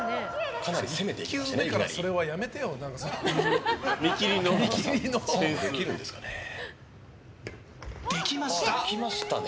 かなり攻めていきましたね。